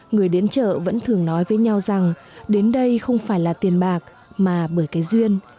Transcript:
người đến chợ vẫn thường nói với nhau rằng đến đây không phải là tiền bạc mà bởi cái duyên